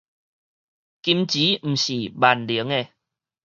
金錢毋是萬能的